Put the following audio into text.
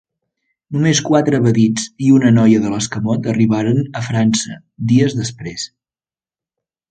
Només quatre evadits i una noia de l’escamot arribaren a França, dies després.